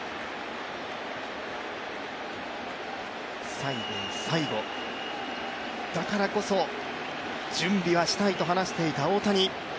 最初で最後、だからこそ準備はしたいと話していた大谷。